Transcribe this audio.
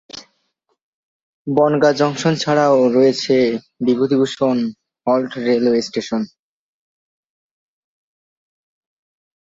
Bongaon junction ছাড়াও রয়েছে Bibhutibhushan halt railway station.